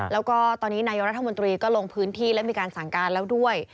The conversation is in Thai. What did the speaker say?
แล้วก็ตอนนี้นายกรัฐมนตรีก็ลงพื้นที่และมีการสั่งการแล้วด้วย